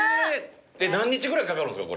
何日ぐらいかかるんすか？